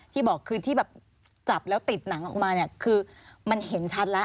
ที่บอกคือที่แบบจับแล้วติดหนังออกมาเนี่ยคือมันเห็นชัดแล้ว